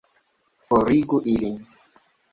Forigu ilin!